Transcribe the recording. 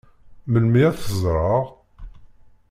Melmi ad t-ẓṛeɣ?